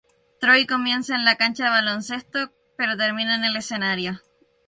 Troy comienza en la cancha de baloncesto, pero termina en el escenario.